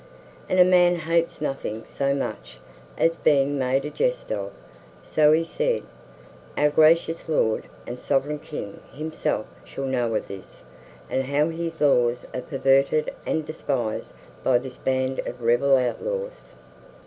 And a man hates nothing so much as being made a jest of; so he said: "Our gracious lord and sovereign King himself shall know of this, and how his laws are perverted and despised by this band of rebel outlaws.